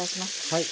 はい。